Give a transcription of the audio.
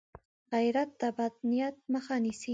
غیرت د بد نیت مخه نیسي